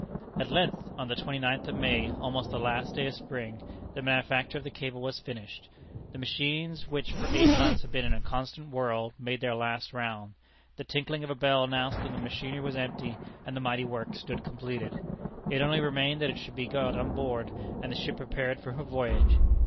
At length, on the twenty ninth of May, almost the last day of Spring, the manufacture of the cable was finished. The machines which for eight months had been in a constant whirl, made their last round. The tinkling of a bell announced that the machinery was empty, and the mighty work stood completed. It only remained that it should be got on board, and the ship prepared for her voyage.